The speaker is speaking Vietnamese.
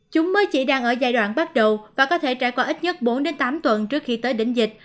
chúng mới chỉ đang ở giai đoạn bắt đầu và có thể trải qua ít nhất bốn tám tuần trước khi tới đỉnh dịch